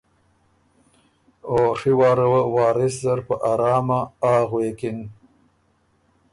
او ڒی واره وه وارث زر په ارامه ”آ“ غوېکِن۔